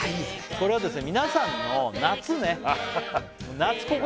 これはですね